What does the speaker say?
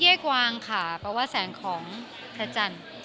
ยกวางค่ะเพราะว่าแสงของพระจันทร์